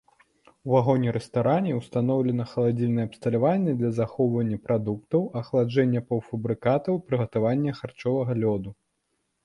У вагоне-рэстаране ўстаноўлена халадзільнае абсталяванне для захоўвання прадуктаў, ахладжэння паўфабрыкатаў і прыгатавання харчовага лёду.